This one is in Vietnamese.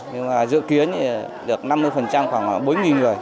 nhưng mà dự kiến thì được năm mươi khoảng bốn người